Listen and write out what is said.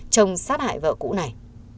chồng sát hại vợ cũ này